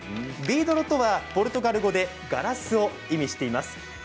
びーどろとは、ポルトガル語でガラスを意味しています。